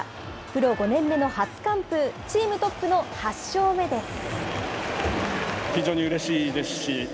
プロ５年目の初完封、チームトップの８勝目です。